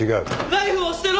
ナイフを捨てろ！